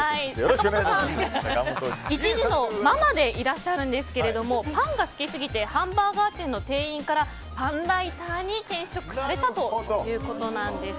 坂本さん、１児のママでいらっしゃるんですけどパンが好きすぎてハンバーガー店の店員からパンライターに転職されたということなんです。